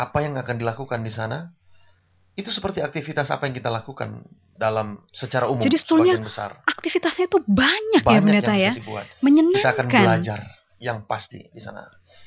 pengajarnya ya luar biasa